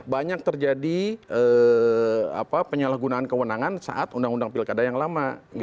banyak terjadi penyalahgunaan kewenangan saat undang undang pilkada yang lama